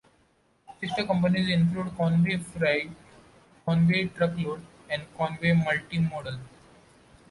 Sister companies include Con-way Freight, Con-way Truckload, and Con-way Multimodal.